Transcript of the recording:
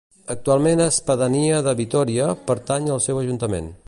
Actualment és pedania de Vitòria, pertany al seu Ajuntament.